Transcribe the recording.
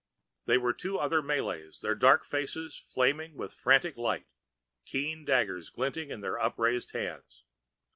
They were two other Malays, their dark faces flaming with fanatic light, keen daggers glinting in their upraised hands.